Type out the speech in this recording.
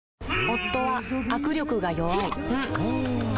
夫は握力が弱い